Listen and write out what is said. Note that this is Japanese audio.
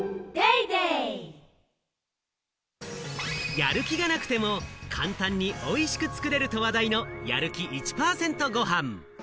やる気がなくても簡単においしく作れると話題のやる気１％ごはん。